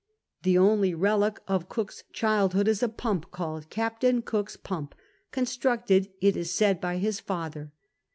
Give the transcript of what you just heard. The only relic of Ojook^s childhood is a pump, called Captain Cook's puUipi constructed, it is said, by his father.